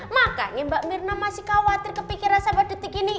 makanya mbak mirna masih khawatir kepikiran sampai detik ini